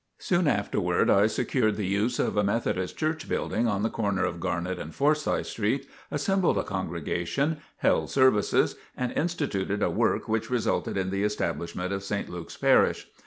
Soon afterward I secured the use of a Methodist Church building on the corner of Garnet and Forsyth Streets, assembled a congregation, held services and instituted a work which resulted in the establishment of St. Luke's Parish.